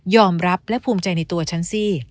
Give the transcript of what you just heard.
รับและภูมิใจในตัวฉันสิ